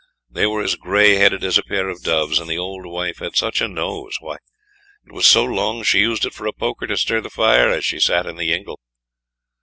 They were as grey headed as a pair of doves, and the old wife had such a nose! why, it was so long she used it for a poker to stir the fire as she sat in the ingle.